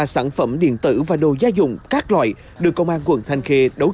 hai một trăm bảy mươi ba sản phẩm điện tử và đồ gia dụng các loại được công an quận thanh khê đấu tranh